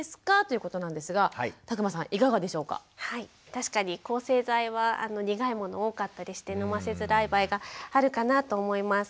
確かに抗生剤は苦いもの多かったりして飲ませづらい場合があるかなと思います。